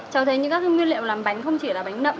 cháu thấy như các nguyên liệu làm bánh không chỉ là bánh nậm